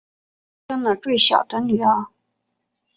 她生了最小的女儿